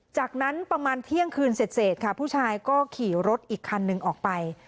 จากนั้นประมาณเที่ยงคืนเสร็จค่ะผู้ชายก็ขี่รถอีกคันหนึ่งออกไป